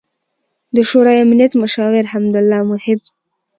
، د شورای امنیت مشاور حمد الله محب